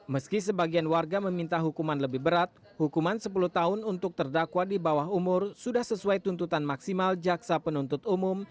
meski sebagian warga meminta hukuman lebih berat hukuman sepuluh tahun untuk terdakwa di bawah umur sudah sesuai tuntutan maksimal jaksa penuntut umum